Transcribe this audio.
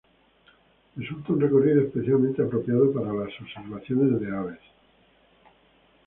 Resulta un recorrido especialmente apropiado para la observación de aves.